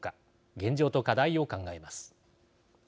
現状と課題を考えます。